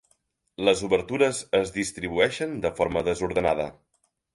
Les obertures es distribueixen de forma desordenada.